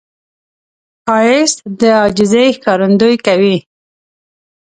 ښایست د عاجزي ښکارندویي کوي